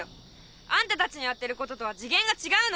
あんたたちのやってることとは次元が違うの！